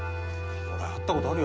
俺会ったことあるよ。